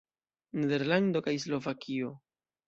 Nederlando kaj Slovakio.